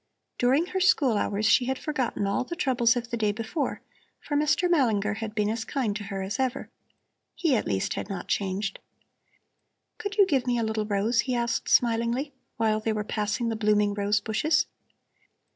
During her school hours she had forgotten all the troubles of the day before, for Mr. Malinger had been as kind to her as ever. He at least had not changed. "Could you give me a little rose?" he asked smilingly, while they were passing the blooming rose bushes.